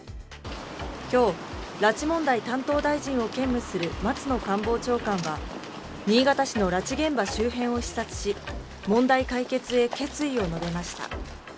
きょう、拉致問題担当大臣を兼務する松野官房長官は、新潟市の拉致現場周辺を視察し、問題解決へ決意を述べました。